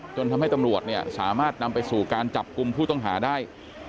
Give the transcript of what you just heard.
จนทำให้ตำรวจเนี่ยสามารถนำไปสู่การจับกลุ่มผู้ต้องหาได้